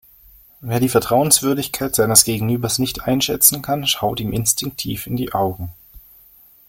Wer die Vertrauenswürdigkeit seines Gegenübers nicht einschätzen kann, schaut ihm instinktiv in die Augen.